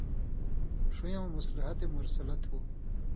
ݜویؤں مصلحتِ مُرسلہ تُھو